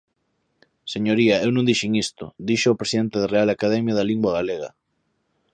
Señoría, eu non dixen isto, díxoo o presidente da Real Academia da Lingua Galega.